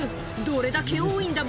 どれだけ多いんだ